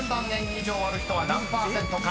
以上ある人は何％か］